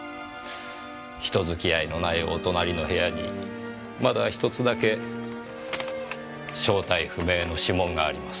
人付き合いのないお隣の部屋にまだ１つだけ正体不明の指紋があります。